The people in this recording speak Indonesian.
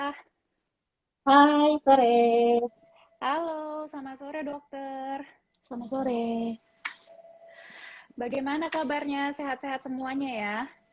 hai sore halo selamat sore dokter selamat sore bagaimana kabarnya sehat sehat semuanya ya